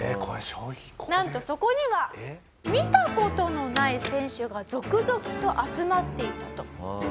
なんとそこには見た事のない選手が続々と集まっていたと。